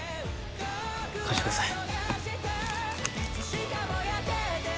貸してください。